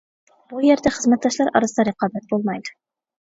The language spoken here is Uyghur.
بۇ يەردە خىزمەتداشلار ئارىسىدا رىقابەت بولمايدۇ.